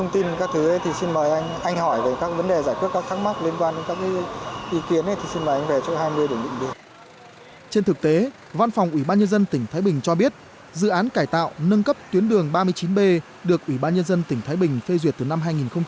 trên thực tế văn phòng ủy ban nhân dân tỉnh thái bình cho biết dự án cải tạo nâng cấp tuyến đường ba mươi chín b được ủy ban nhân dân tỉnh thái bình phê duyệt từ năm hai nghìn một mươi